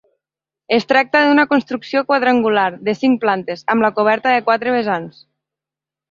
Es tracta d'una construcció quadrangular, de cinc plantes, amb la coberta de quatre vessants.